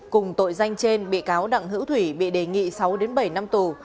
cùng tội danh trên bị cáo đặng hữu thủy bị đề nghị sáu bảy năm tù